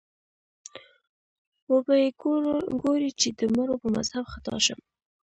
وبه یې ګورې چې د مړو په مذهب خطا شم